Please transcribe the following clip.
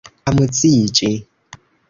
amuziĝi